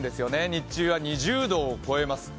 日中は２０度を超えます。